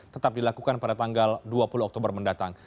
tetap dilakukan pada tanggal dua puluh oktober mendatang